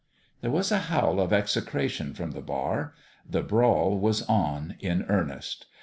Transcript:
There was a howl of execration from the bar. The brawl was on in earnest.